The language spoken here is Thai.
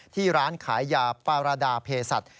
ที่ร้านขายยาปารดาเพศัตริย์